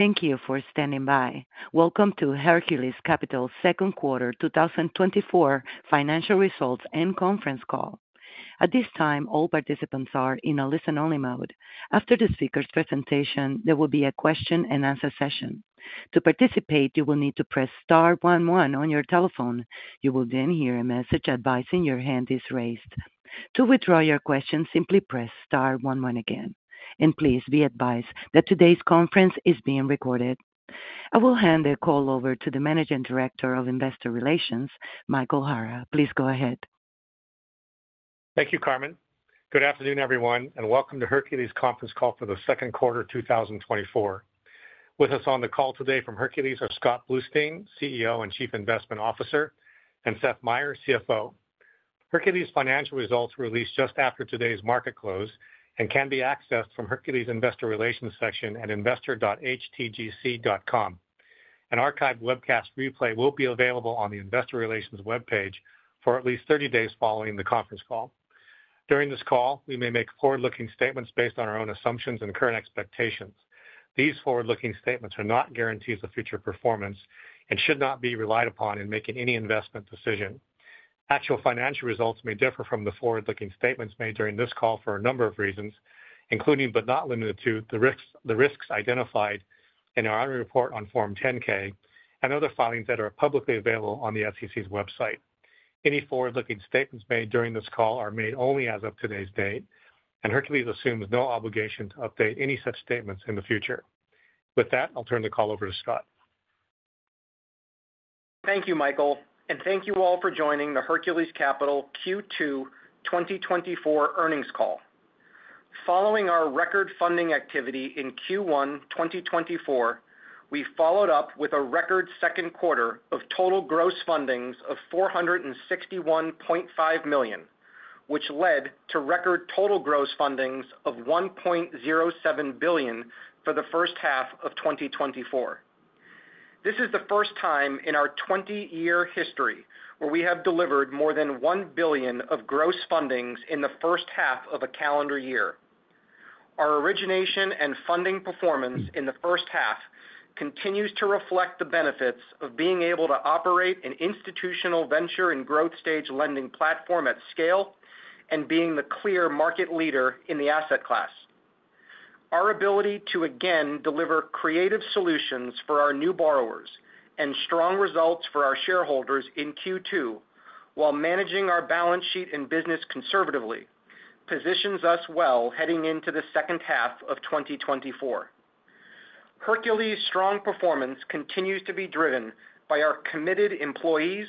Thank you for standing by. Welcome to Hercules Capital's second quarter 2024 financial results and conference call. At this time, all participants are in a listen-only mode. After the speaker's presentation, there will be a question-and-answer session. To participate, you will need to press star one one on your telephone. You will then hear a message advising your hand is raised. To withdraw your question, simply press star one one again, and please be advised that today's conference is being recorded. I will hand the call over to the Managing Director of Investor Relations, Michael Hara. Please go ahead. Thank you, Carmen. Good afternoon, everyone, and welcome to Hercules conference call for the second quarter 2024. With us on the call today from Hercules are Scott Bluestein, CEO and Chief Investment Officer, and Seth Meyer, CFO. Hercules financial results were released just after today's market close and can be accessed from Hercules Investor Relations section at investor.htgc.com. An archived webcast replay will be available on the investor relations webpage for at least 30 days following the conference call. During this call, we may make forward-looking statements based on our own assumptions and current expectations. These forward-looking statements are not guarantees of future performance and should not be relied upon in making any investment decision. Actual financial results may differ from the forward-looking statements made during this call for a number of reasons, including, but not limited to, the risks, the risks identified in our annual report on Form 10-K and other filings that are publicly available on the SEC's website. Any forward-looking statements made during this call are made only as of today's date, and Hercules assumes no obligation to update any such statements in the future. With that, I'll turn the call over to Scott. Thank you, Michael, and thank you all for joining the Hercules Capital Q2 2024 earnings call. Following our record funding activity in Q1 2024, we followed up with a record second quarter of total gross fundings of $461.5 million, which led to record total gross fundings of $1.07 billion for the first half of 2024. This is the first time in our 20-year history where we have delivered more than $1 billion of gross fundings in the first half of a calendar year. Our origination and funding performance in the first half continues to reflect the benefits of being able to operate an institutional venture and growth stage lending platform at scale and being the clear market leader in the asset class. Our ability to again deliver creative solutions for our new borrowers and strong results for our shareholders in Q2, while managing our balance sheet and business conservatively, positions us well heading into the second half of 2024. Hercules' strong performance continues to be driven by our committed employees,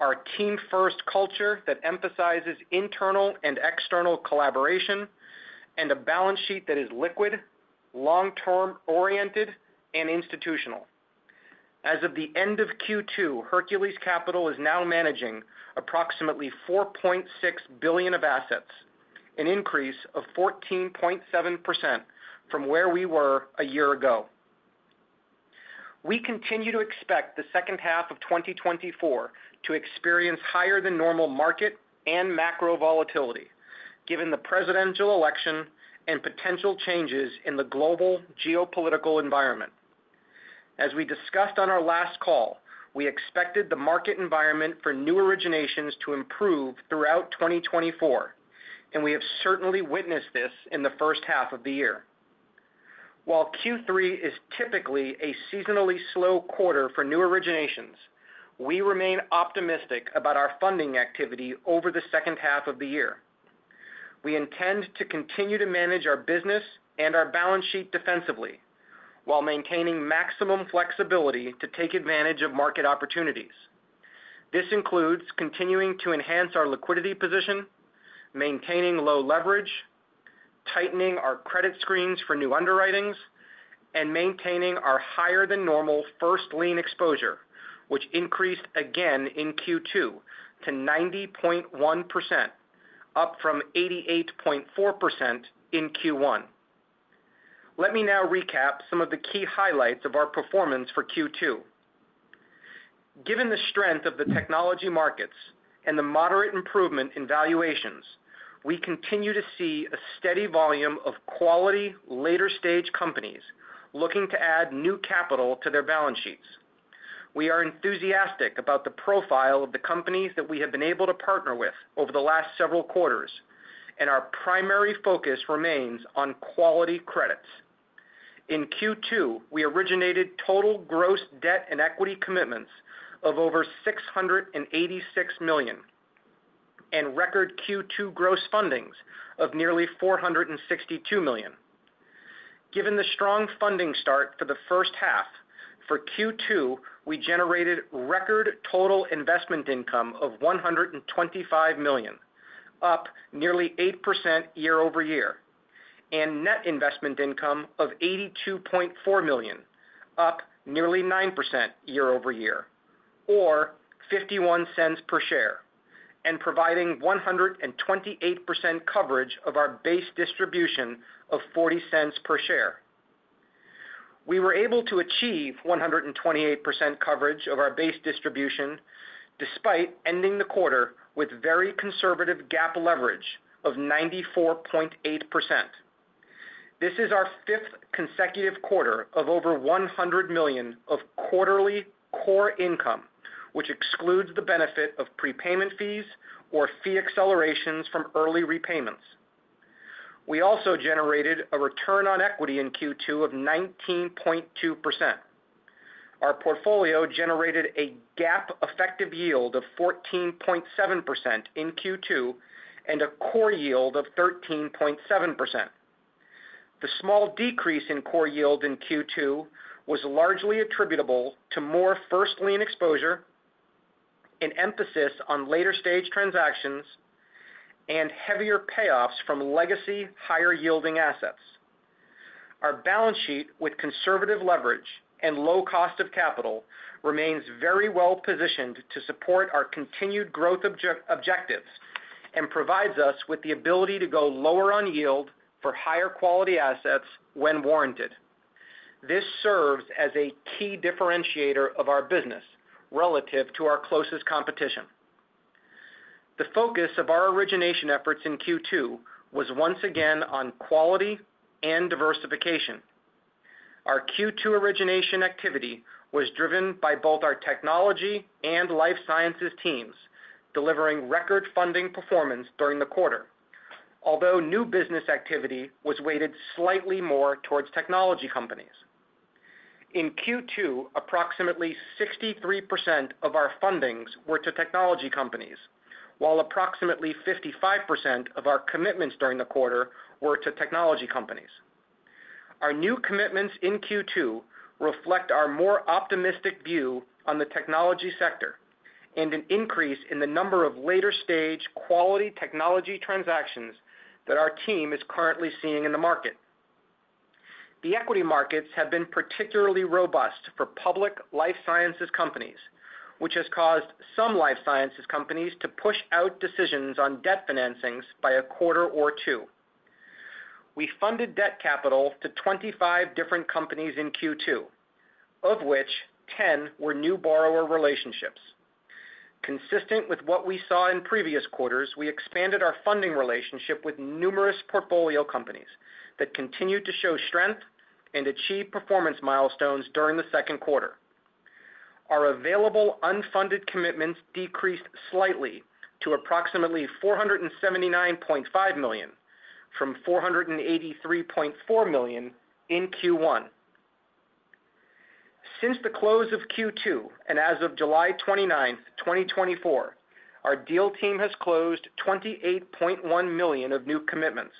our team-first culture that emphasizes internal and external collaboration, and a balance sheet that is liquid, long-term oriented and institutional. As of the end of Q2, Hercules Capital is now managing approximately $4.6 billion of assets, an increase of 14.7% from where we were a year ago. We continue to expect the second half of 2024 to experience higher than normal market and macro volatility, given the presidential election and potential changes in the global geopolitical environment. As we discussed on our last call, we expected the market environment for new originations to improve throughout 2024, and we have certainly witnessed this in the first half of the year. While Q3 is typically a seasonally slow quarter for new originations, we remain optimistic about our funding activity over the second half of the year. We intend to continue to manage our business and our balance sheet defensively while maintaining maximum flexibility to take advantage of market opportunities. This includes continuing to enhance our liquidity position, maintaining low leverage, tightening our credit screens for new underwritings, and maintaining our higher-than-normal first lien exposure, which increased again in Q2 to 90.1%, up from 88.4% in Q1. Let me now recap some of the key highlights of our performance for Q2. Given the strength of the technology markets and the moderate improvement in valuations, we continue to see a steady volume of quality later-stage companies looking to add new capital to their balance sheets. We are enthusiastic about the profile of the companies that we have been able to partner with over the last several quarters, and our primary focus remains on quality credits. In Q2, we originated total gross debt and equity commitments of over $686 million, and record Q2 gross fundings of nearly $462 million. Given the strong funding start for the first half, for Q2, we generated record total investment income of $125 million, up nearly 8% year-over-year, and net investment income of $82.4 million, up nearly 9% year-over-year or $0.51 per share, and providing 128% coverage of our base distribution of $0.40 per share. We were able to achieve 128% coverage of our base distribution, despite ending the quarter with very conservative GAAP leverage of 94.8%. This is our fifth consecutive quarter of over $100 million of quarterly core income, which excludes the benefit of prepayment fees or fee accelerations from early repayments. We also generated a return on equity in Q2 of 19.2%. Our portfolio generated a GAAP effective yield of 14.7% in Q2, and a core yield of 13.7%. The small decrease in core yield in Q2 was largely attributable to more first lien exposure, an emphasis on later stage transactions, and heavier payoffs from legacy higher yielding assets. Our balance sheet, with conservative leverage and low cost of capital, remains very well positioned to support our continued growth objectives, and provides us with the ability to go lower on yield for higher quality assets when warranted. This serves as a key differentiator of our business relative to our closest competition. The focus of our origination efforts in Q2 was once again on quality and diversification. Our Q2 origination activity was driven by both our technology and life sciences teams, delivering record funding performance during the quarter. Although new business activity was weighted slightly more towards technology companies. In Q2, approximately 63% of our fundings were to technology companies, while approximately 55% of our commitments during the quarter were to technology companies. Our new commitments in Q2 reflect our more optimistic view on the technology sector, and an increase in the number of later stage quality technology transactions that our team is currently seeing in the market. The equity markets have been particularly robust for public life sciences companies, which has caused some life sciences companies to push out decisions on debt financings by a quarter or two. We funded debt capital to 25 different companies in Q2, of which 10 were new borrower relationships. Consistent with what we saw in previous quarters, we expanded our funding relationship with numerous portfolio companies that continued to show strength and achieve performance milestones during the second quarter. Our available unfunded commitments decreased slightly to approximately $479.5 million, from $483.4 million in Q1. Since the close of Q2, and as of July 29, 2024, our deal team has closed $28.1 million of new commitments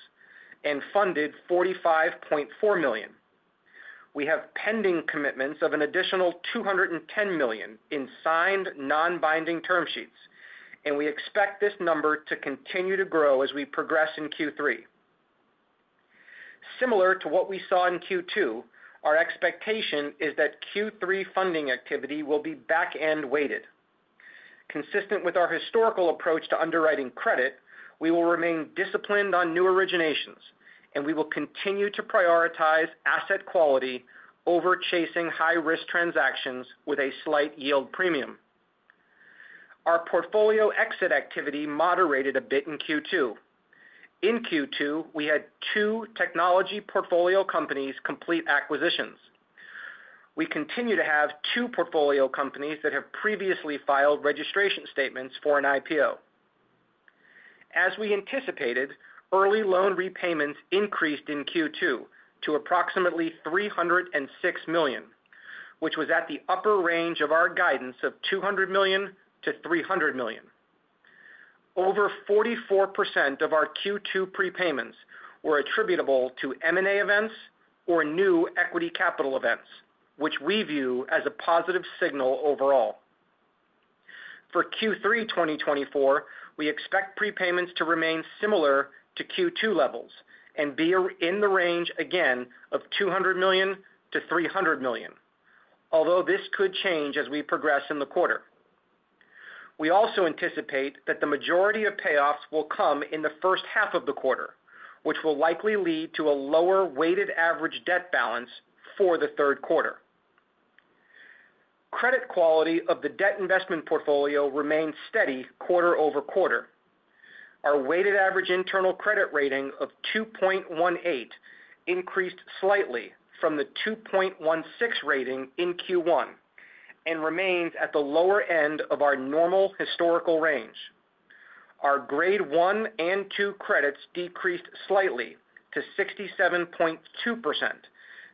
and funded $45.4 million. We have pending commitments of an additional $210 million in signed, non-binding term sheets, and we expect this number to continue to grow as we progress in Q3. Similar to what we saw in Q2, our expectation is that Q3 funding activity will be back-end weighted. Consistent with our historical approach to underwriting credit, we will remain disciplined on new originations, and we will continue to prioritize asset quality over chasing high-risk transactions with a slight yield premium. Our portfolio exit activity moderated a bit in Q2. In Q2, we had two technology portfolio companies complete acquisitions. We continue to have two portfolio companies that have previously filed registration statements for an IPO. As we anticipated, early loan repayments increased in Q2 to approximately $306 million, which was at the upper range of our guidance of $200 million-$300 million. Over 44% of our Q2 prepayments were attributable to M&A events or new equity capital events, which we view as a positive signal overall. For Q3 2024, we expect prepayments to remain similar to Q2 levels and be in the range again of $200 million-$300 million, although this could change as we progress in the quarter. We also anticipate that the majority of payoffs will come in the first half of the quarter, which will likely lead to a lower weighted average debt balance for the third quarter. Credit quality of the debt investment portfolio remained steady quarter-over-quarter. Our weighted average internal credit rating of 2.18 increased slightly from the 2.16 rating in Q1, and remains at the lower end of our normal historical range. Our Grade 1 and 2 credits decreased slightly to 67.2%,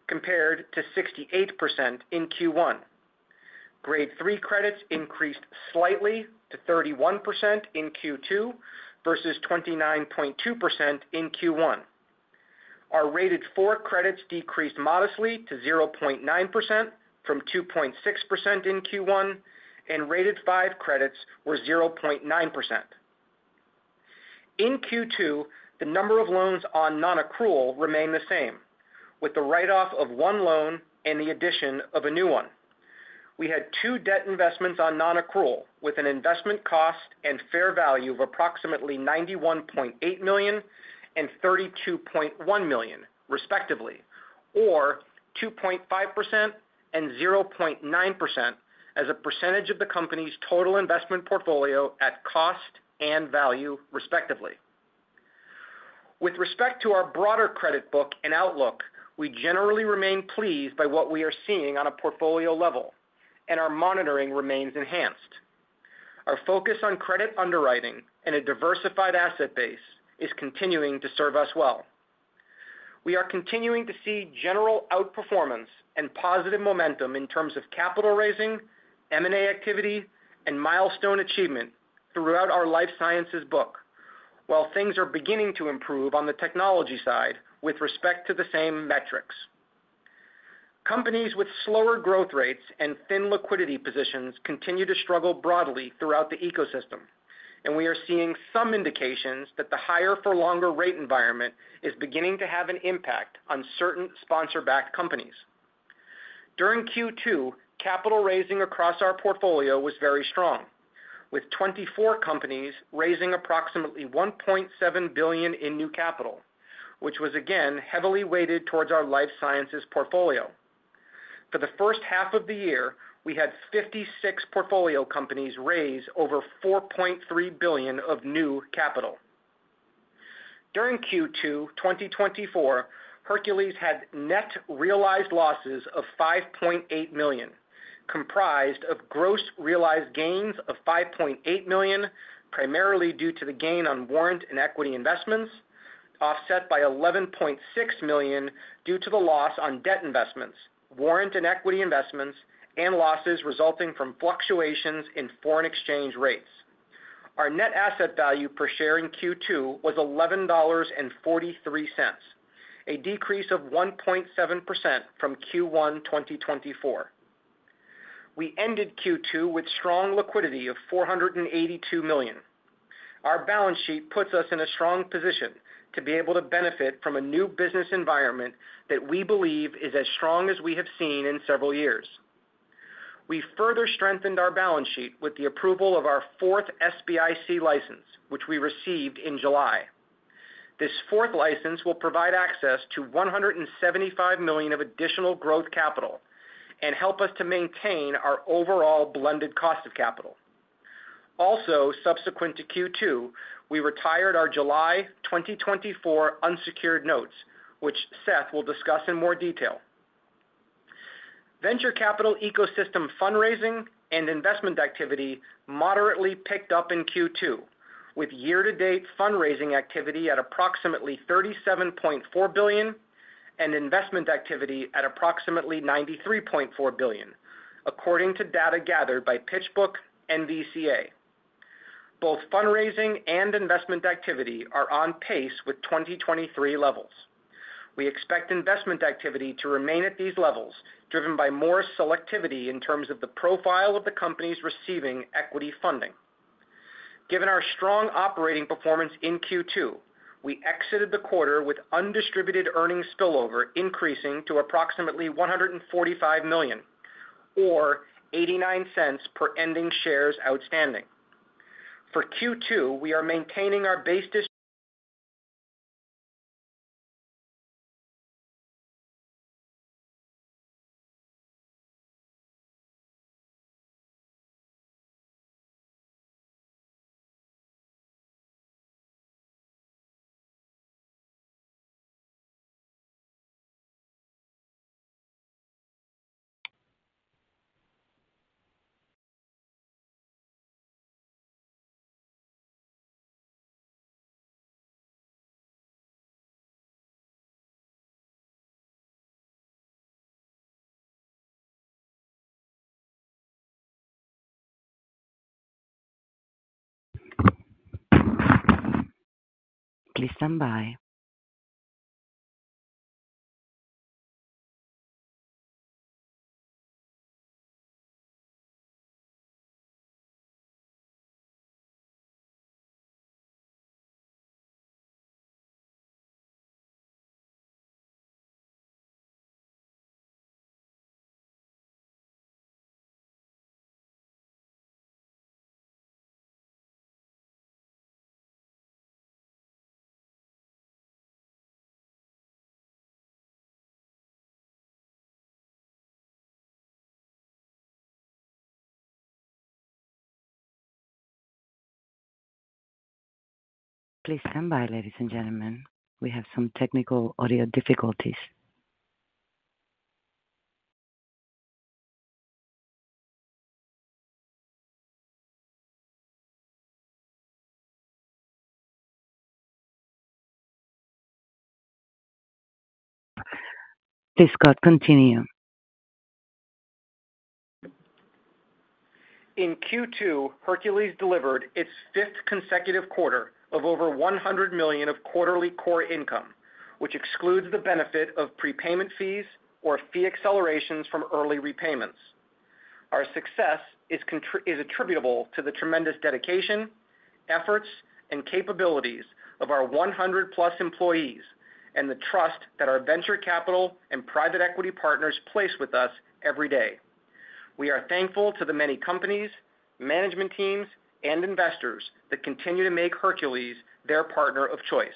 compared to 68% in Q1. Grade 3 credits increased slightly to 31% in Q2 versus 29.2% in Q1. Our rated 4 credits decreased modestly to 0.9% from 2.6% in Q1, and rated 5 credits were 0.9%. In Q2, the number of loans on non-accrual remained the same, with the write-off of one loan and the addition of a new one. We had two debt investments on non-accrual, with an investment cost and fair value of approximately $91.8 million and $32.1 million, respectively... or 2.5% and 0.9% as a percentage of the company's total investment portfolio at cost and value, respectively. With respect to our broader credit book and outlook, we generally remain pleased by what we are seeing on a portfolio level, and our monitoring remains enhanced. Our focus on credit underwriting and a diversified asset base is continuing to serve us well. We are continuing to see general outperformance and positive momentum in terms of capital raising, M&A activity, and milestone achievement throughout our life sciences book, while things are beginning to improve on the technology side with respect to the same metrics. Companies with slower growth rates and thin liquidity positions continue to struggle broadly throughout the ecosystem, and we are seeing some indications that the higher for longer rate environment is beginning to have an impact on certain sponsor-backed companies. During Q2, capital raising across our portfolio was very strong, with 24 companies raising approximately $1.7 billion in new capital, which was again heavily weighted towards our life sciences portfolio. For the first half of the year, we had 56 portfolio companies raise over $4.3 billion of new capital. During Q2 2024, Hercules had net realized losses of $5.8 million, comprised of gross realized gains of $5.8 million, primarily due to the gain on warrant and equity investments, offset by $11.6 million due to the loss on debt investments, warrant and equity investments, and losses resulting from fluctuations in foreign exchange rates. Our net asset value per share in Q2 was $11.43, a decrease of 1.7% from Q1 2024. We ended Q2 with strong liquidity of $482 million. Our balance sheet puts us in a strong position to be able to benefit from a new business environment that we believe is as strong as we have seen in several years. We further strengthened our balance sheet with the approval of our fourth SBIC license, which we received in July. This fourth license will provide access to $175 million of additional growth capital and help us to maintain our overall blended cost of capital. Also, subsequent to Q2, we retired our July 2024 unsecured notes, which Seth will discuss in more detail. Venture capital ecosystem fundraising and investment activity moderately picked up in Q2, with year-to-date fundraising activity at approximately $37.4 billion and investment activity at approximately $93.4 billion, according to data gathered by PitchBook-NVCA. Both fundraising and investment activity are on pace with 2023 levels. We expect investment activity to remain at these levels, driven by more selectivity in terms of the profile of the companies receiving equity funding. Given our strong operating performance in Q2, we exited the quarter with undistributed earnings spillover, increasing to approximately $145 million or $0.89 per ending shares outstanding. For Q2, we are maintaining our base distribution. Please stand by. Please stand by, ladies and gentlemen. We have some technical audio difficulties. Please go ahead, continue. In Q2, Hercules delivered its fifth consecutive quarter of over $100 million of quarterly core income, which excludes the benefit of prepayment fees or fee accelerations from early repayments. Our success is attributable to the tremendous dedication, efforts, and capabilities of our 100+ employees and the trust that our venture capital and private equity partners place with us every day. We are thankful to the many companies, management teams, and investors that continue to make Hercules their partner of choice.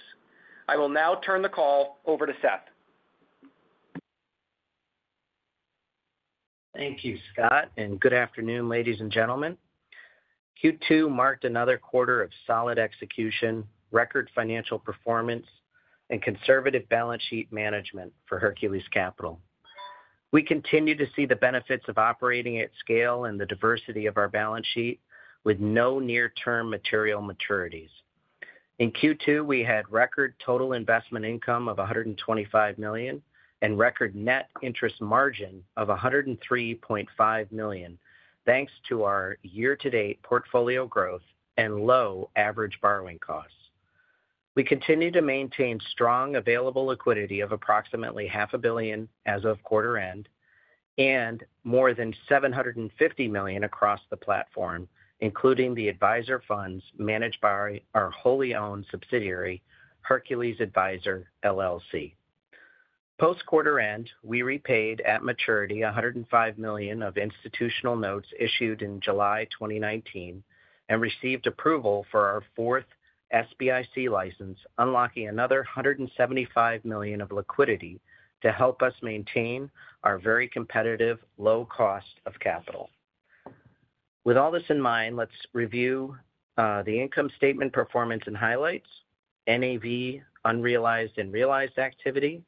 I will now turn the call over to Seth. Thank you, Scott, and good afternoon, ladies and gentlemen. Q2 marked another quarter of solid execution, record financial performance, and conservative balance sheet management for Hercules Capital. We continue to see the benefits of operating at scale and the diversity of our balance sheet, with no near-term material maturities. In Q2, we had record total investment income of $125 million, and record net interest margin of $103.5 million, thanks to our year-to-date portfolio growth and low average borrowing costs. We continue to maintain strong available liquidity of approximately $500 million as of quarter end, and more than $750 million across the platform, including the advisor funds managed by our wholly owned subsidiary, Hercules Adviser LLC. Post-quarter end, we repaid at maturity $105 million of institutional notes issued in July 2019, and received approval for our fourth SBIC license, unlocking another $175 million of liquidity to help us maintain our very competitive low cost of capital. With all this in mind, let's review the income statement performance and highlights, NAV unrealized and realized activity,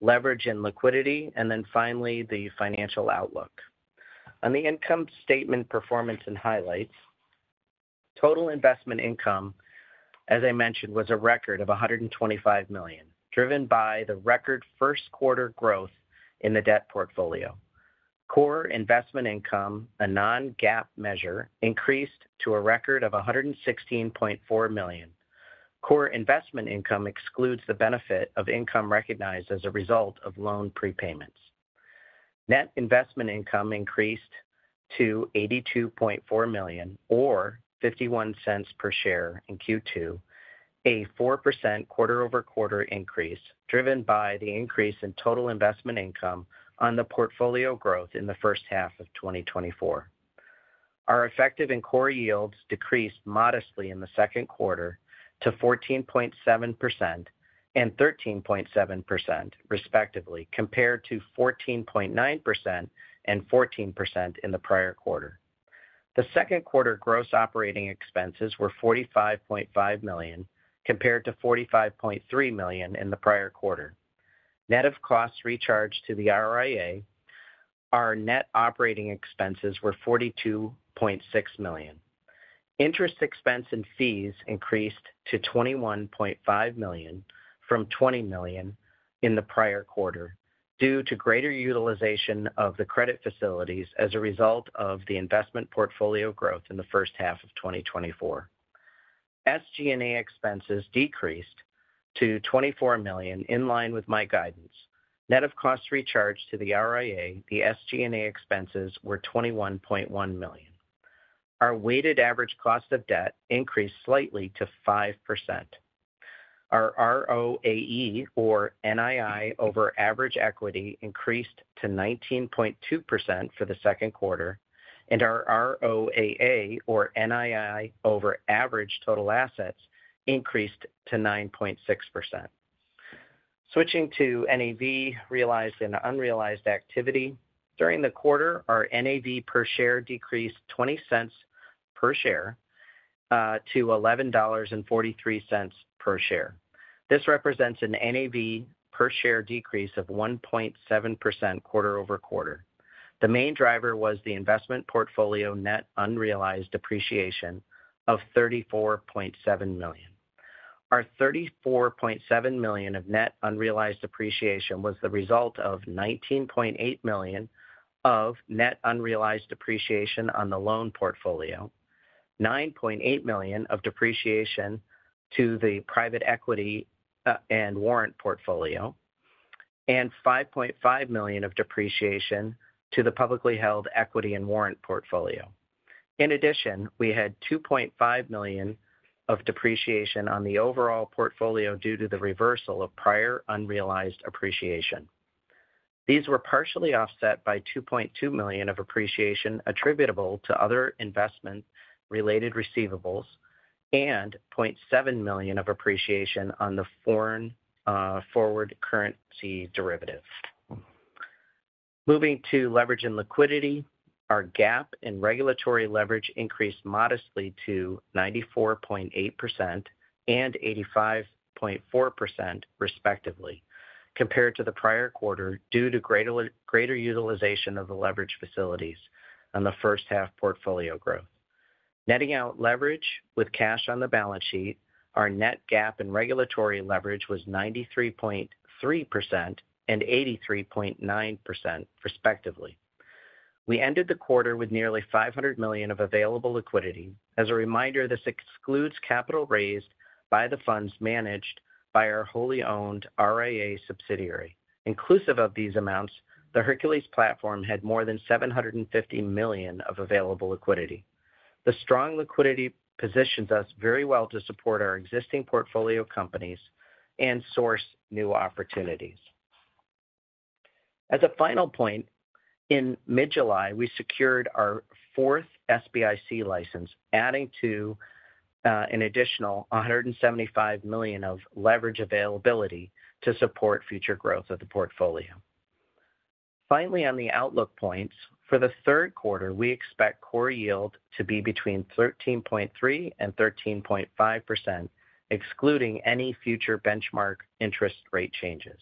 leverage and liquidity, and then finally, the financial outlook. On the income statement performance and highlights, total investment income, as I mentioned, was a record of $125 million, driven by the record first quarter growth in the debt portfolio. Core investment income, a non-GAAP measure, increased to a record of $116.4 million. Core investment income excludes the benefit of income recognized as a result of loan prepayments. Net investment income increased to $82.4 million or $0.51 per share in Q2, a 4% quarter-over-quarter increase, driven by the increase in total investment income on the portfolio growth in the first half of 2024. Our effective and core yields decreased modestly in the second quarter to 14.7% and 13.7%, respectively, compared to 14.9% and 14% in the prior quarter. The second quarter gross operating expenses were $45.5 million, compared to $45.3 million in the prior quarter. Net of costs recharged to the RIA, our net operating expenses were $42.6 million. Interest expense and fees increased to $21.5 million from $20 million in the prior quarter, due to greater utilization of the credit facilities as a result of the investment portfolio growth in the first half of 2024. SG&A expenses decreased to $24 million, in line with my guidance. Net of costs recharged to the RIA, the SG&A expenses were $21.1 million. Our weighted average cost of debt increased slightly to 5%. Our ROAE, or NII over average equity, increased to 19.2% for the second quarter, and our ROAA, or NII over average total assets, increased to 9.6%. Switching to NAV realized and unrealized activity. During the quarter, our NAV per share decreased $0.20 per share to $11.43 per share. This represents an NAV per share decrease of 1.7% quarter-over-quarter. The main driver was the investment portfolio net unrealized depreciation of $34.7 million. Our $34.7 million of net unrealized depreciation was the result of $19.8 million of net unrealized depreciation on the loan portfolio, $9.8 million of depreciation to the private equity and warrant portfolio, and $5.5 million of depreciation to the publicly held equity and warrant portfolio. In addition, we had $2.5 million of depreciation on the overall portfolio due to the reversal of prior unrealized appreciation. These were partially offset by $2.2 million of appreciation attributable to other investment-related receivables and $0.7 million of appreciation on the foreign forward currency derivative. Moving to leverage and liquidity, our GAAP and regulatory leverage increased modestly to 94.8% and 85.4%, respectively, compared to the prior quarter, due to greater utilization of the leverage facilities on the first half portfolio growth. Netting out leverage with cash on the balance sheet, our net GAAP and regulatory leverage was 93.3% and 83.9%, respectively. We ended the quarter with nearly $500 million of available liquidity. As a reminder, this excludes capital raised by the funds managed by our wholly owned RIA subsidiary. Inclusive of these amounts, the Hercules platform had more than $750 million of available liquidity.... The strong liquidity positions us very well to support our existing portfolio companies and source new opportunities. As a final point, in mid-July, we secured our fourth SBIC license, adding to, an additional $175 million of leverage availability to support future growth of the portfolio. Finally, on the outlook points, for the third quarter, we expect core yield to be between 13.3% and 13.5%, excluding any future benchmark interest rate changes.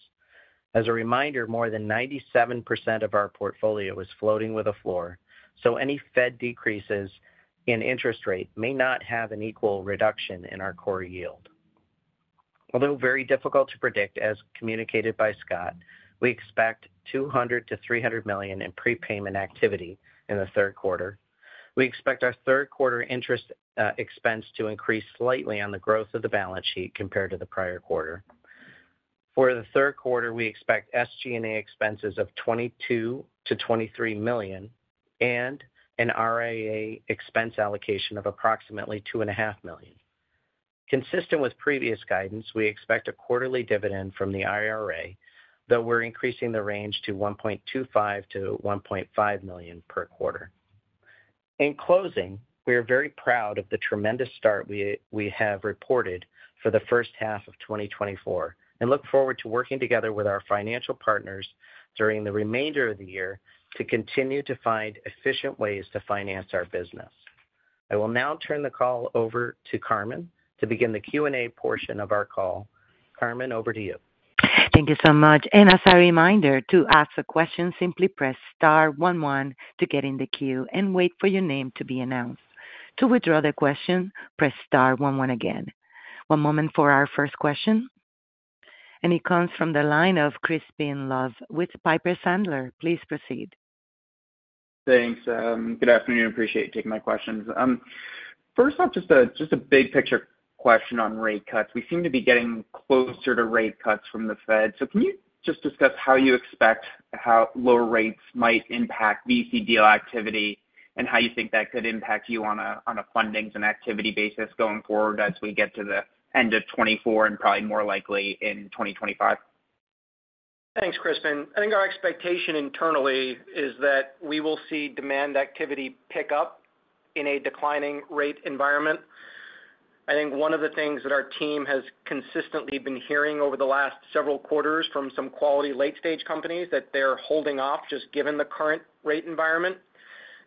As a reminder, more than 97% of our portfolio is floating with a floor, so any Fed decreases in interest rate may not have an equal reduction in our core yield. Although very difficult to predict, as communicated by Scott, we expect $200 million-$300 million in prepayment activity in the third quarter. We expect our third quarter interest expense to increase slightly on the growth of the balance sheet compared to the prior quarter. For the third quarter, we expect SG&A expenses of $22 million-$23 million and an ROAA expense allocation of approximately $2.5 million. Consistent with previous guidance, we expect a quarterly dividend from the RIA, though we're increasing the range to $1.25 million-$1.5 million per quarter. In closing, we are very proud of the tremendous start we have reported for the first half of 2024, and look forward to working together with our financial partners during the remainder of the year to continue to find efficient ways to finance our business. I will now turn the call over to Carmen to begin the Q&A portion of our call. Carmen, over to you. Thank you so much. As a reminder, to ask a question, simply press star one one to get in the queue and wait for your name to be announced. To withdraw the question, press star one one again. One moment for our first question, and it comes from the line of Crispin Love with Piper Sandler. Please proceed. Thanks. Good afternoon. Appreciate you taking my questions. First off, just a big picture question on rate cuts. We seem to be getting closer to rate cuts from the Fed. So can you just discuss how you expect how lower rates might impact VC deal activity, and how you think that could impact you on a fundings and activity basis going forward as we get to the end of 2024 and probably more likely in 2025? Thanks, Crispin. I think our expectation internally is that we will see demand activity pick up in a declining rate environment. I think one of the things that our team has consistently been hearing over the last several quarters from some quality late-stage companies, that they're holding off just given the current rate environment.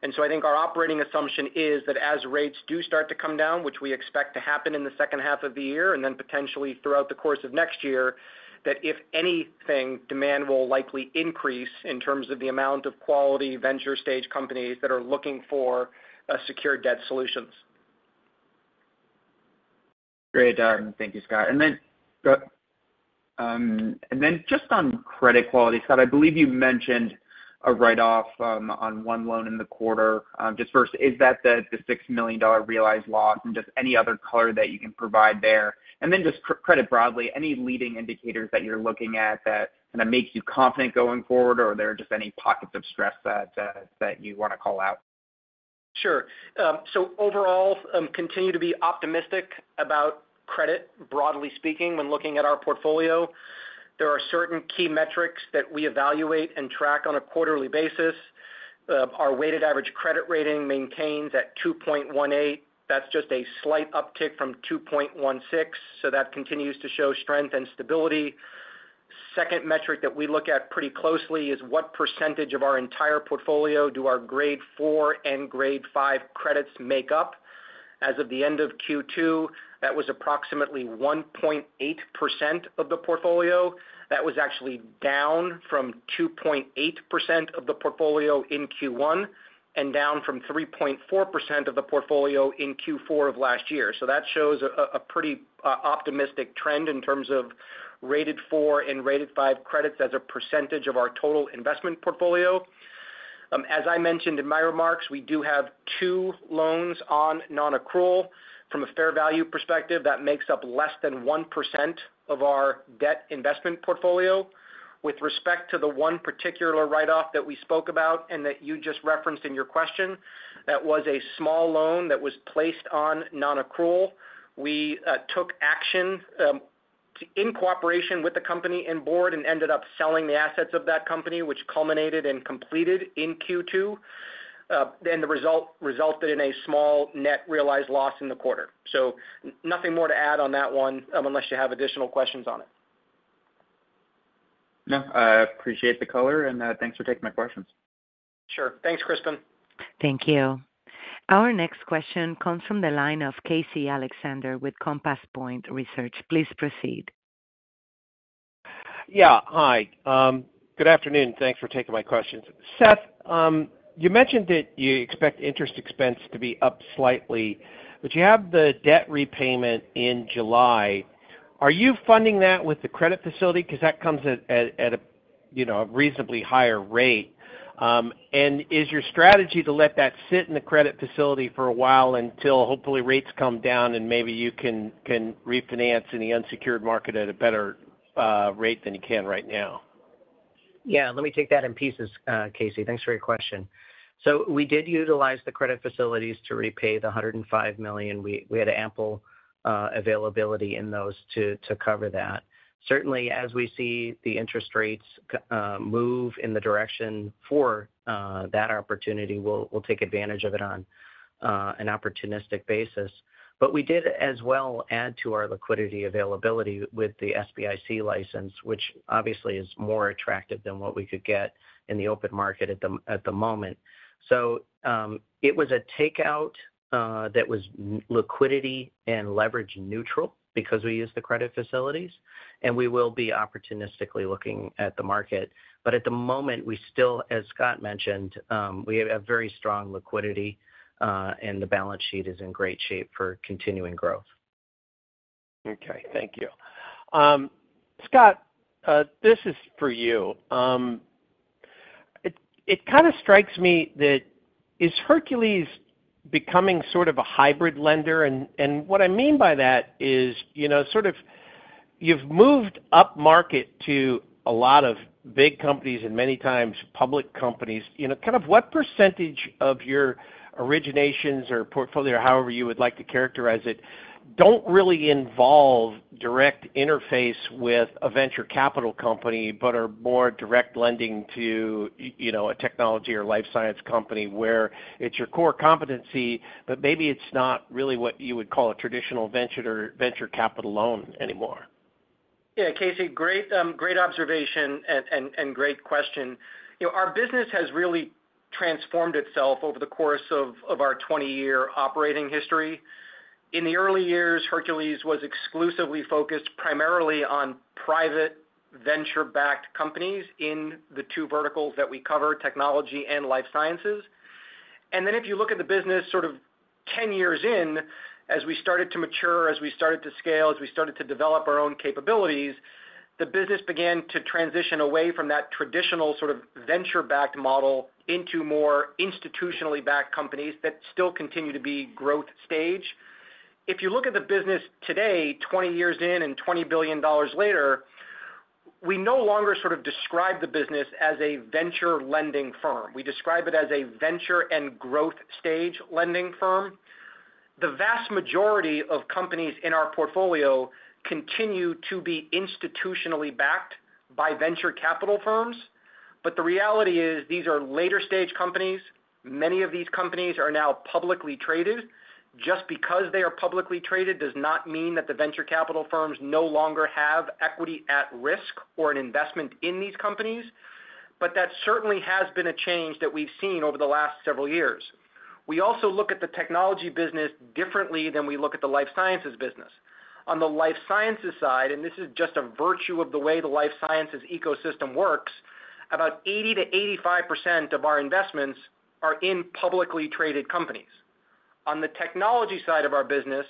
And so I think our operating assumption is that as rates do start to come down, which we expect to happen in the second half of the year, and then potentially throughout the course of next year, that if anything, demand will likely increase in terms of the amount of quality venture stage companies that are looking for secure debt solutions. Great. Thank you, Scott. And then just on credit quality, Scott, I believe you mentioned a write-off on one loan in the quarter. Just first, is that the $6 million realized loss, and just any other color that you can provide there? And then just credit broadly, any leading indicators that you're looking at that kind of makes you confident going forward, or are there just any pockets of stress that you want to call out? Sure. So overall, continue to be optimistic about credit, broadly speaking, when looking at our portfolio. There are certain key metrics that we evaluate and track on a quarterly basis. Our weighted average credit rating maintains at 2.18. That's just a slight uptick from 2.16, so that continues to show strength and stability. Second metric that we look at pretty closely is what percentage of our entire portfolio do our grade four and grade five credits make up? As of the end of Q2, that was approximately 1.8% of the portfolio. That was actually down from 2.8% of the portfolio in Q1, and down from 3.4% of the portfolio in Q4 of last year. So that shows a pretty optimistic trend in terms of rated four and rated five credits as a percentage of our total investment portfolio. As I mentioned in my remarks, we do have two loans on non-accrual. From a fair value perspective, that makes up less than 1% of our debt investment portfolio. With respect to the one particular write-off that we spoke about and that you just referenced in your question, that was a small loan that was placed on non-accrual. We took action to in cooperation with the company and board, and ended up selling the assets of that company, which culminated and completed in Q2. Then the result resulted in a small net realized loss in the quarter. So nothing more to add on that one, unless you have additional questions on it. No, I appreciate the color, and, thanks for taking my questions. Sure. Thanks, Crispin. Thank you. Our next question comes from the line of Casey Alexander with Compass Point Research. Please proceed. Yeah. Hi. Good afternoon. Thanks for taking my questions. Seth, you mentioned that you expect interest expense to be up slightly, but you have the debt repayment in July. Are you funding that with the credit facility? Because that comes at a, you know, a reasonably higher rate. And is your strategy to let that sit in the credit facility for a while until hopefully rates come down and maybe you can refinance in the unsecured market at a better rate than you can right now?... Yeah, let me take that in pieces, Casey. Thanks for your question. So we did utilize the credit facilities to repay the $105 million. We had ample availability in those to cover that. Certainly, as we see the interest rates move in the direction for that opportunity, we'll take advantage of it on an opportunistic basis. But we did as well add to our liquidity availability with the SBIC license, which obviously is more attractive than what we could get in the open market at the moment. So, it was a takeout that was liquidity and leverage neutral because we used the credit facilities, and we will be opportunistically looking at the market. At the moment, we still, as Scott mentioned, we have a very strong liquidity, and the balance sheet is in great shape for continuing growth. Okay, thank you. Scott, this is for you. It kind of strikes me that, is Hercules becoming sort of a hybrid lender? And what I mean by that is, you know, sort of you've moved upmarket to a lot of big companies and many times public companies. You know, kind of what percentage of your originations or portfolio, however you would like to characterize it, don't really involve direct interface with a venture capital company, but are more direct lending to, you know, a technology or life science company where it's your core competency, but maybe it's not really what you would call a traditional venture or venture capital loan anymore? Yeah, Casey, great, great observation and great question. You know, our business has really transformed itself over the course of our 20-year operating history. In the early years, Hercules was exclusively focused primarily on private venture-backed companies in the two verticals that we cover, technology and life sciences. And then if you look at the business sort of 10 years in, as we started to mature, as we started to scale, as we started to develop our own capabilities, the business began to transition away from that traditional sort of venture-backed model into more institutionally backed companies that still continue to be growth stage. If you look at the business today, 20 years in and $20 billion later, we no longer sort of describe the business as a venture lending firm. We describe it as a venture and growth stage lending firm. The vast majority of companies in our portfolio continue to be institutionally backed by venture capital firms, but the reality is these are later-stage companies. Many of these companies are now publicly traded. Just because they are publicly traded does not mean that the venture capital firms no longer have equity at risk or an investment in these companies, but that certainly has been a change that we've seen over the last several years. We also look at the technology business differently than we look at the life sciences business. On the life sciences side, and this is just a virtue of the way the life sciences ecosystem works, about 80%-85% of our investments are in publicly traded companies. On the technology side of our business,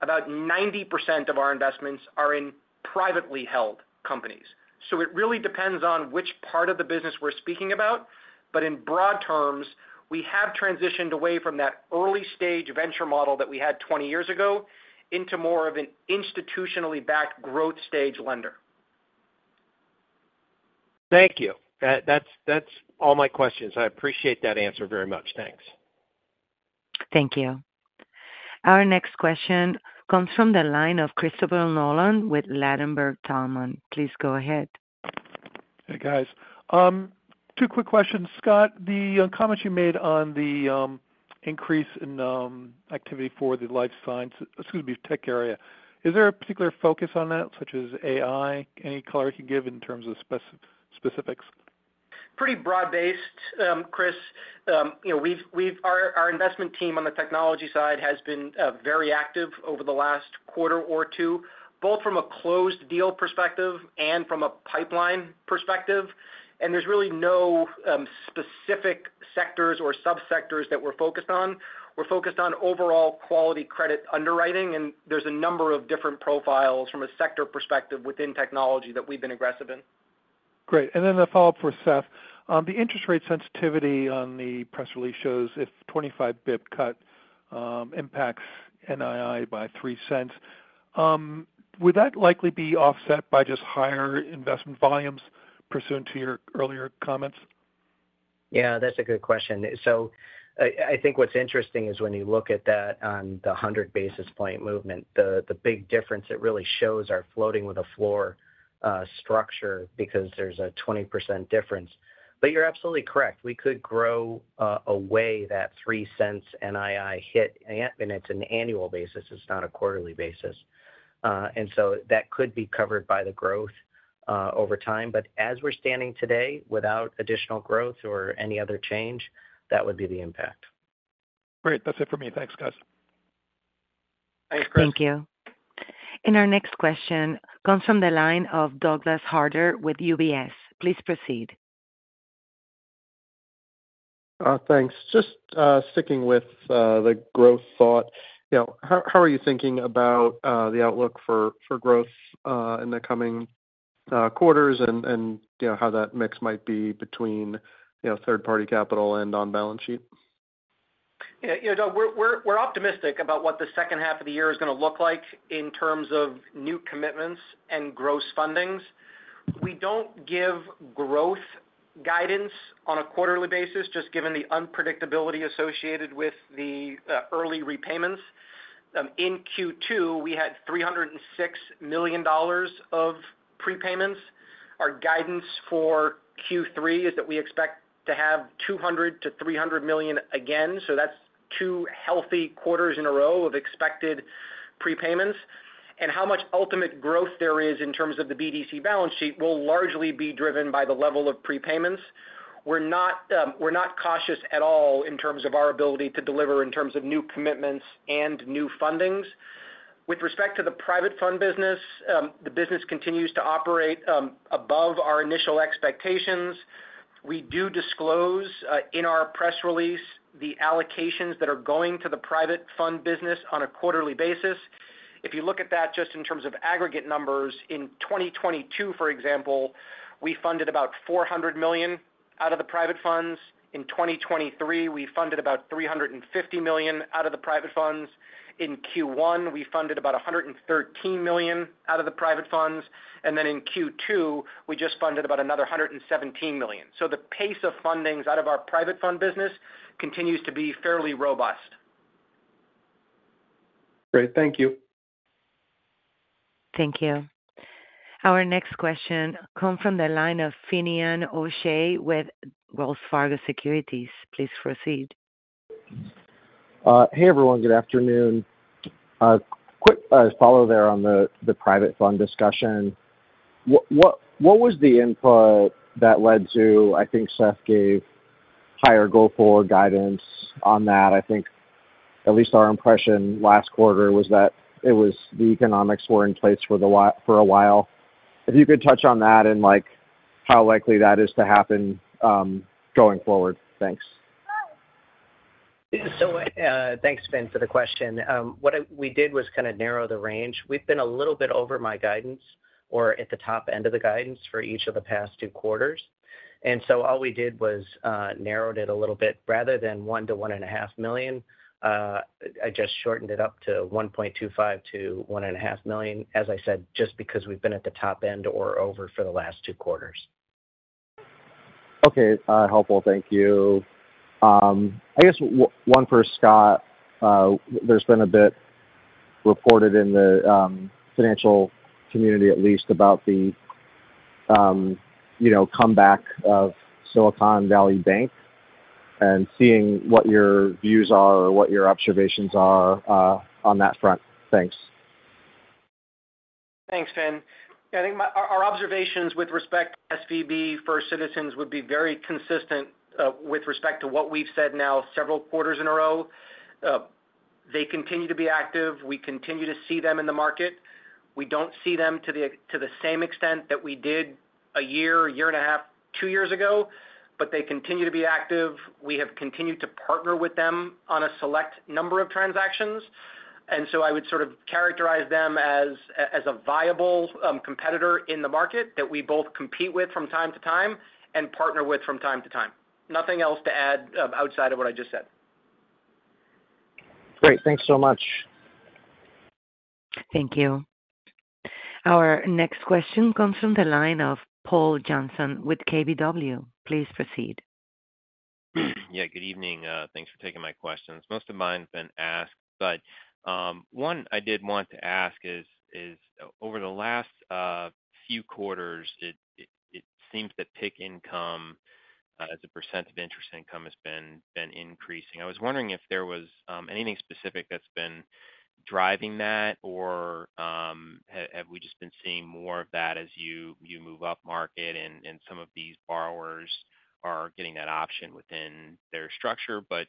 about 90% of our investments are in privately held companies. It really depends on which part of the business we're speaking about, but in broad terms, we have transitioned away from that early-stage venture model that we had 20 years ago into more of an institutionally backed growth stage lender. Thank you. That's all my questions. I appreciate that answer very much. Thanks. Thank you. Our next question comes from the line of Christopher Nolan with Ladenburg Thalmann. Please go ahead. Hey, guys. Two quick questions. Scott, the comments you made on the increase in activity for the life science, excuse me, tech area. Is there a particular focus on that, such as AI? Any color you can give in terms of specifics? Pretty broad-based, Chris. You know, we've our investment team on the technology side has been very active over the last quarter or two, both from a closed deal perspective and from a pipeline perspective, and there's really no specific sectors or subsectors that we're focused on. We're focused on overall quality credit underwriting, and there's a number of different profiles from a sector perspective within technology that we've been aggressive in. Great. And then a follow-up for Seth. The interest rate sensitivity on the press release shows if 25 bps cut impacts NII by $0.03. Would that likely be offset by just higher investment volumes pursuant to your earlier comments? Yeah, that's a good question. So I, I think what's interesting is when you look at that on the 100 basis point movement, the big difference it really shows are floating with a floor structure, because there's a 20% difference. But you're absolutely correct, we could grow away that $0.03 NII hit, and it's an annual basis, it's not a quarterly basis. And so that could be covered by the growth over time. But as we're standing today, without additional growth or any other change, that would be the impact. Great. That's it for me. Thanks, guys. Thanks, Chris. Thank you. Our next question comes from the line of Douglas Harter with UBS. Please proceed. Thanks. Just sticking with the growth thought, you know, how are you thinking about the outlook for growth in the coming quarters and, you know, how that mix might be between third-party capital and on-balance sheet? ... You know, Doug, we're optimistic about what the second half of the year is going to look like in terms of new commitments and gross fundings. We don't give growth guidance on a quarterly basis, just given the unpredictability associated with the early repayments. In Q2, we had $306 million of prepayments. Our guidance for Q3 is that we expect to have $200 million-$300 million again, so that's two healthy quarters in a row of expected prepayments. And how much ultimate growth there is in terms of the BDC balance sheet will largely be driven by the level of prepayments. We're not cautious at all in terms of our ability to deliver in terms of new commitments and new fundings. With respect to the private fund business, the business continues to operate above our initial expectations. We do disclose in our press release, the allocations that are going to the private fund business on a quarterly basis. If you look at that just in terms of aggregate numbers, in 2022, for example, we funded about $400 million out of the private funds. In 2023, we funded about $350 million out of the private funds. In Q1, we funded about $113 million out of the private funds, and then in Q2, we just funded about another $117 million. So the pace of fundings out of our private fund business continues to be fairly robust. Great. Thank you. Thank you. Our next question comes from the line of Finnian O'Shea with Wells Fargo Securities. Please proceed. Hey, everyone. Good afternoon. Quick follow there on the private fund discussion. What was the input that led to... I think Seth gave higher go-forward guidance on that. I think at least our impression last quarter was that it was the economics were in place for a while. If you could touch on that and, like, how likely that is to happen going forward? Thanks. So, thanks, Finn, for the question. What we did was kind of narrow the range. We've been a little bit over my guidance or at the top end of the guidance for each of the past two quarters, and so all we did was narrowed it a little bit. Rather than $1 million-$1.5 million, I just shortened it up to $1.25 million-$1.5 million, as I said, just because we've been at the top end or over for the last two quarters. Okay. Helpful. Thank you. I guess one for Scott. There's been a bit reported in the financial community, at least about the, you know, comeback of Silicon Valley Bank and seeing what your views are or what your observations are on that front. Thanks. Thanks, Finn. I think our observations with respect to SVB, First Citizens, would be very consistent with respect to what we've said now several quarters in a row. They continue to be active. We continue to see them in the market. We don't see them to the same extent that we did a year and a half, two years ago, but they continue to be active. We have continued to partner with them on a select number of transactions, and so I would sort of characterize them as a viable competitor in the market that we both compete with from time to time and partner with from time to time. Nothing else to add outside of what I just said. Great. Thanks so much. Thank you. Our next question comes from the line of Paul Johnson with KBW. Please proceed. Yeah, good evening. Thanks for taking my questions. Most of mine have been asked, but one I did want to ask is, over the last few quarters, it seems that PIK income as a percent of interest income has been increasing. I was wondering if there was anything specific that's been driving that, or have we just been seeing more of that as you move up market and some of these borrowers are getting that option within their structure? But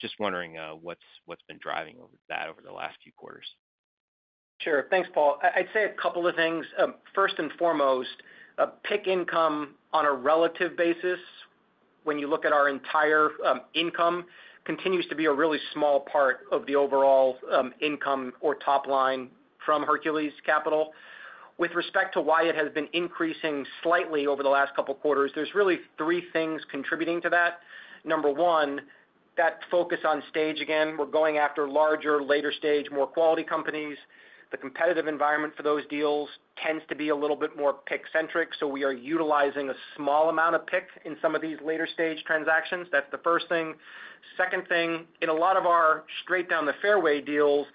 just wondering what's been driving that over the last few quarters. Sure. Thanks, Paul. I'd say a couple of things. First and foremost, PIK income on a relative basis, when you look at our entire income, continues to be a really small part of the overall income or top line from Hercules Capital. With respect to why it has been increasing slightly over the last couple of quarters, there's really three things contributing to that. Number one, that focus on stage, again, we're going after larger, later stage, more quality companies. The competitive environment for those deals tends to be a little bit more PIK-centric, so we are utilizing a small amount of PIK in some of these later stage transactions. That's the first thing. Second thing, in a lot of our straight down the fairway deals,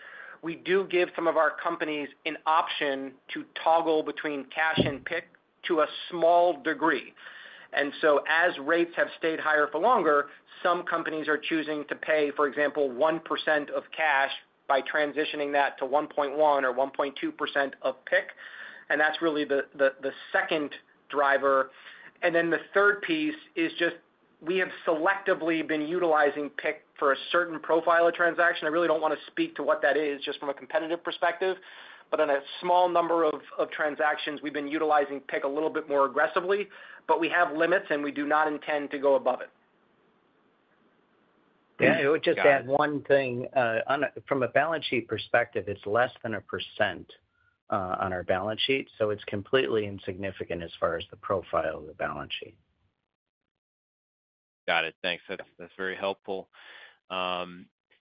we do give some of our companies an option to toggle between cash and PIK to a small degree. As rates have stayed higher for longer, some companies are choosing to pay, for example, 1% of cash by transitioning that to 1.1% or 1.2% of PIK, and that's really the second driver. Then the third piece is just we have selectively been utilizing PIK for a certain profile of transaction. I really don't want to speak to what that is just from a competitive perspective, but on a small number of transactions, we've been utilizing PIK a little bit more aggressively, but we have limits, and we do not intend to go above it. Yeah, I would just add one thing. From a balance sheet perspective, it's less than 1%.... on our balance sheet, so it's completely insignificant as far as the profile of the balance sheet. Got it. Thanks. That's very helpful.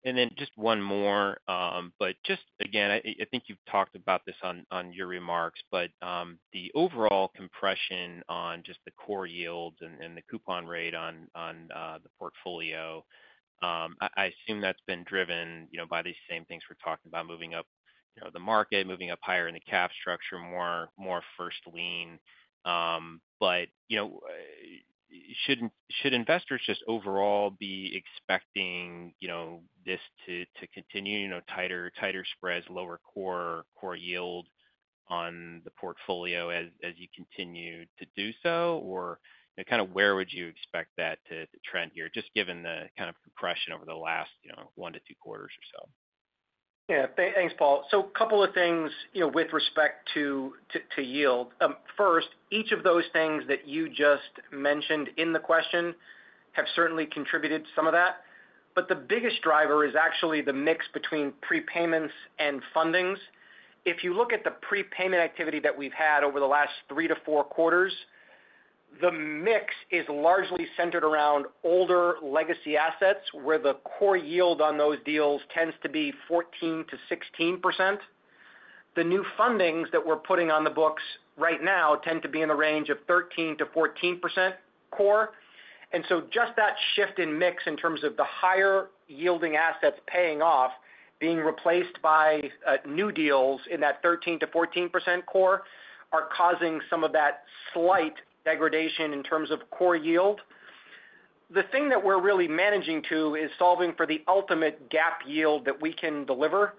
And then just one more, but just again, I think you've talked about this on your remarks, but the overall compression on just the core yields and the coupon rate on the portfolio, I assume that's been driven, you know, by these same things we're talking about, moving up, you know, the market, moving up higher in the cap structure, more first lien. But, you know, should investors just overall be expecting, you know, this to continue, you know, tighter spreads, lower core yield on the portfolio as you continue to do so? Or, you know, kind of where would you expect that to trend here, just given the kind of compression over the last, you know, one to two quarters or so? Yeah. Thanks, Paul. So couple of things, you know, with respect to to yield. First, each of those things that you just mentioned in the question have certainly contributed to some of that, but the biggest driver is actually the mix between prepayments and fundings. If you look at the prepayment activity that we've had over the last three to four quarters, the mix is largely centered around older legacy assets, where the core yield on those deals tends to be 14%-16%. The new fundings that we're putting on the books right now tend to be in the range of 13%-14% core. Just that shift in mix, in terms of the higher-yielding assets paying off, being replaced by new deals in that 13%-14% core, are causing some of that slight degradation in terms of core yield. The thing that we're really managing to is solving for the ultimate gap yield that we can deliver.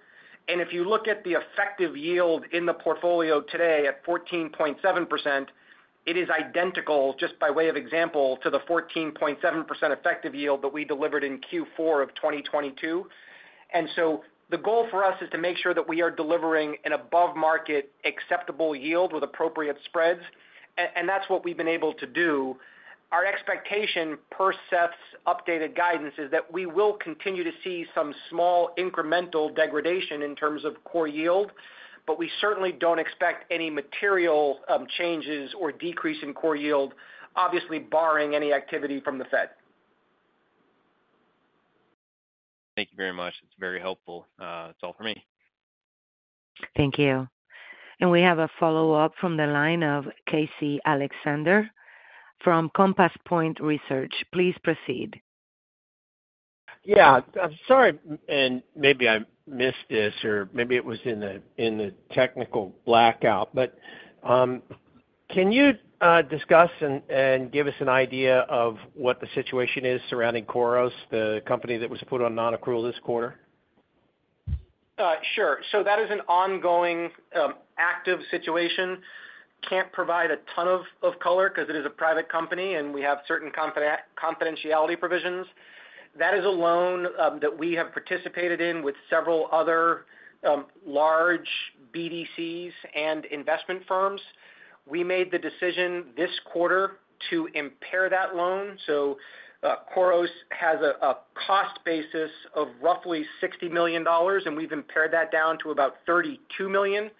If you look at the effective yield in the portfolio today at 14.7%, it is identical, just by way of example, to the 14.7% effective yield that we delivered in Q4 of 2022. The goal for us is to make sure that we are delivering an above-market acceptable yield with appropriate spreads, and that's what we've been able to do. Our expectation per Seth's updated guidance is that we will continue to see some small incremental degradation in terms of core yield, but we certainly don't expect any material changes or decrease in core yield, obviously barring any activity from the Fed. Thank you very much. It's very helpful. That's all for me. Thank you. We have a follow-up from the line of Casey Alexander from Compass Point Research. Please proceed. Yeah, I'm sorry, and maybe I missed this or maybe it was in the technical blackout, but can you discuss and give us an idea of what the situation is surrounding Khoros, the company that was put on non-accrual this quarter? Sure. So that is an ongoing, active situation. Can't provide a ton of color 'cause it is a private company, and we have certain confidentiality provisions. That is a loan that we have participated in with several other large BDCs and investment firms. We made the decision this quarter to impair that loan. So, Khoros has a cost basis of roughly $60 million, and we've impaired that down to about $32 million.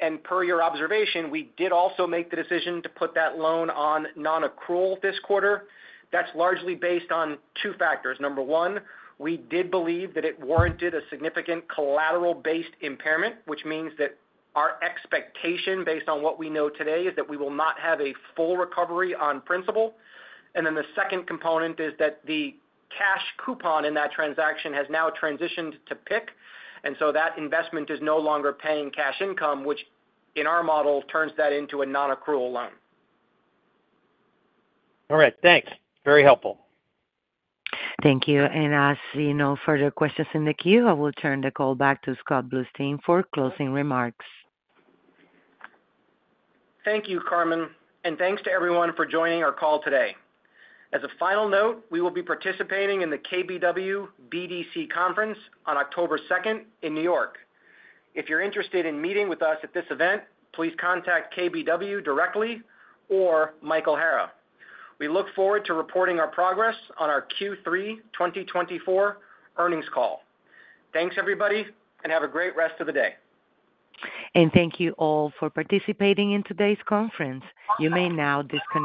And per your observation, we did also make the decision to put that loan on non-accrual this quarter. That's largely based on two factors. Number one, we did believe that it warranted a significant collateral-based impairment, which means that our expectation, based on what we know today, is that we will not have a full recovery on principal. And then the second component is that the cash coupon in that transaction has now transitioned to PIK, and so that investment is no longer paying cash income, which, in our model, turns that into a non-accrual loan. All right. Thanks. Very helpful. Thank you. As I see no further questions in the queue, I will turn the call back to Scott Bluestein for closing remarks. Thank you, Carmen, and thanks to everyone for joining our call today. As a final note, we will be participating in the KBW BDC conference on October 2nd in New York. If you're interested in meeting with us at this event, please contact KBW directly or Mike Hara. We look forward to reporting our progress on our Q3 2024 earnings call. Thanks, everybody, and have a great rest of the day. Thank you all for participating in today's conference. You may now disconnect.